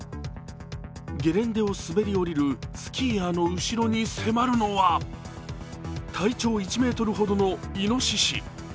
ゲレンデを滑り降りるスキーヤーの後ろに迫るのは体長１ｍほどのいのしし。